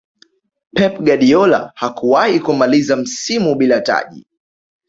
pep guardiola hakuwahi kumaliza msimu bila taji